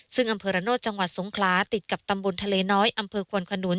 ซึ่งอำเภอระโนธจังหวัดสงคลาติดกับตำบลทะเลน้อยอำเภอควนขนุน